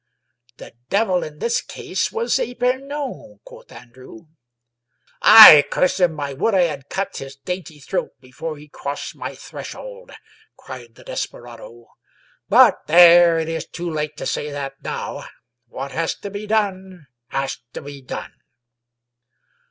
" The devil in this case was Epemon," quoth Andrew. " Aye, curse him 1 I would I had cut his dainty throat before he crossed my threshold," cried the desperado. But there, it is too late to say that now. What has to be done, has to be done."